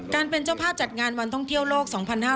การเป็นเจ้าภาพจัดงานวันท่องเที่ยวโลก๒๕๕๙